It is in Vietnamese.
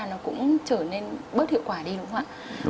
nó cũng trở nên bớt hiệu quả đi đúng không ạ